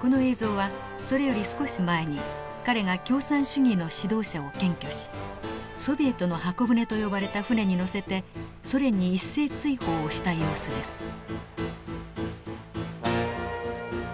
この映像はそれより少し前に彼が共産主義の指導者を検挙しソビエトの方舟と呼ばれた船に乗せてソ連に一斉追放をした様子です。